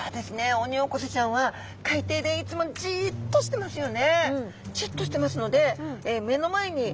オニオコゼちゃんは海底でいつもじっとしてますよね。